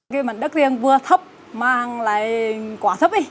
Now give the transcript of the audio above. cái mặt đất riêng vừa thấp mà lại quá thấp ý